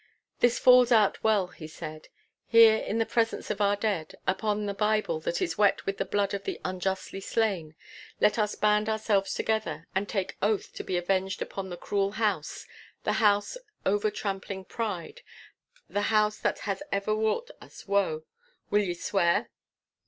'This falls out well,' he said. 'Here in the presence of our dead, upon the Bible that is wet with the blood of the unjustly slain, let us band ourselves together and take oath to be avenged upon the cruel house—the house of over trampling pride—the house that has ever wrought us woe! Will ye swear?